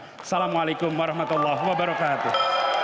assalamu'alaikum warahmatullahi wabarakatuh